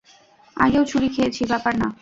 আগেও ছুরি খেয়েছি, ব্যাপার না।